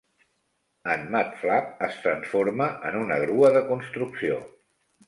En Mudflap es transforma en una grua de construcció.